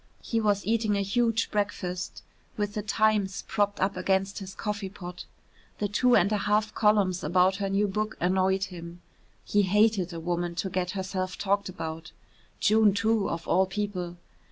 He was eating a huge breakfast, with the "Times" propped up against his coffee pot. The two and a half columns about her new book annoyed him. He hated a woman to get herself talked about June, too, of all people.